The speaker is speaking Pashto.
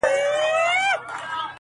آثر د خپل یوه نظر وګوره -